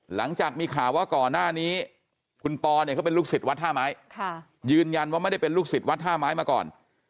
หลังจากมีข่าวว่าก่อนหน้านี้คุณปอเนี่ยเขาเป็นลูกศิษย์วัดท่าไม้ยืนยันว่าไม่ได้เป็นลูกศิษย์วัดท่าไม้มาก่อน